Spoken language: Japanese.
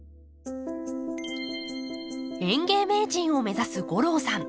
園芸名人を目指す吾郎さん。